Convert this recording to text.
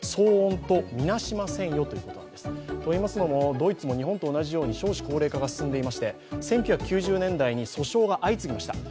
ドイツも日本と同じように少子高齢化が進んでいまして、１９９０年代に訴訟が相次ぎました。